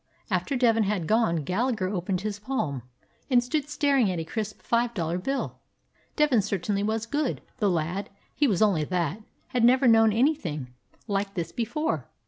After Devin had gone Gallagher opened his palm and stood staring at a crisp five dollar bill. Devin certainly was good; the lad — he was only that — had never known anything like this before.